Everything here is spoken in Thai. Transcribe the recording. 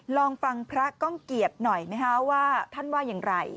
ลองฟังพระก้องเกียจหน่อยไหมคะว่าท่านว่าอย่างไร